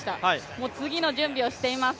もう次の準備をしています。